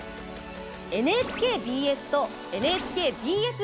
ＮＨＫＢＳとＮＨＫＢＳ